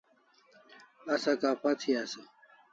Asa kapha thi asaw